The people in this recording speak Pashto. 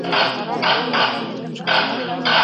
ناوړه دودونه د نکاح د ځنډ سبب کيږي.